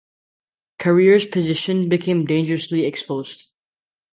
Carrier's position became dangerously exposed.